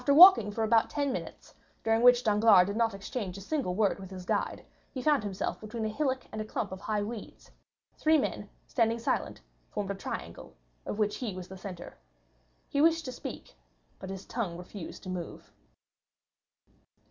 After walking for about ten minutes, during which Danglars did not exchange a single word with his guide, he found himself between a hillock and a clump of high weeds; three men, standing silent, formed a triangle, of which he was the centre. He wished to speak, but his tongue refused to move.